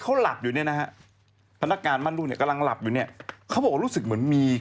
กลัวว่าผมจะต้องไปพูดให้ปากคำกับตำรวจยังไง